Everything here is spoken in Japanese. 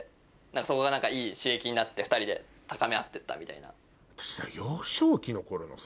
そこがいい刺激になって２人で高め合ってったみたいな。